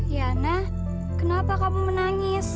ya'nah kenapa kamu menangis